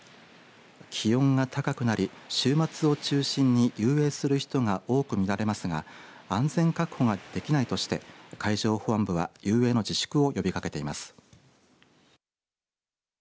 気温が高くなり週末を中心に遊泳する人が多く見られますが安全確保ができないとして海上保安部は遊泳の自粛を呼びかけています。